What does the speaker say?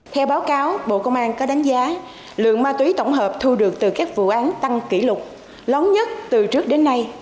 theo báo cáo bộ công an có đánh giá lượng ma túy tổng hợp thu được từ các vụ án tăng kỷ lục lóng nhất từ trước đến nay